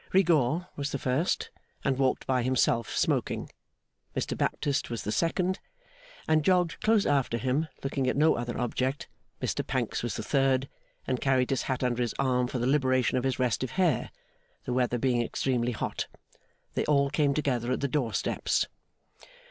Rigaud was the first, and walked by himself smoking. Mr Baptist was the second, and jogged close after him, looking at no other object. Mr Pancks was the third, and carried his hat under his arm for the liberation of his restive hair; the weather being extremely hot. They all came together at the door steps.